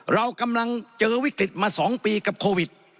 เรากำลังเจอวิกฤตมา๒ปีกับโควิด